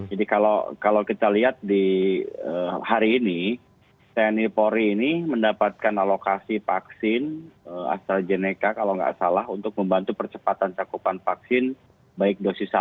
jadi kalau kita lihat di hari ini cni polri ini mendapatkan alokasi vaksin astrazeneca kalau gak salah untuk membantu percepatan cakupan vaksin baik dosis satu dua dan tiga